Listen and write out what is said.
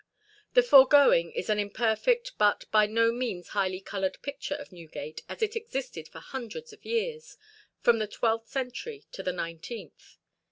The foregoing is an imperfect but by no means highly coloured picture of Newgate as it existed for hundreds of years, from the twelfth century to the nineteenth.